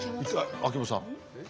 秋元さん。